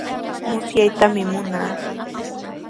Musyaytami munaa.